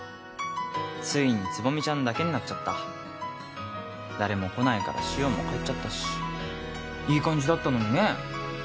ついに蕾未ちゃんだけになっちゃった誰も来ないから紫音も帰っちゃったしいい感じだったのにね